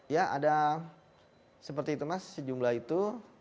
ya ada seperti itu mas sejumlah itu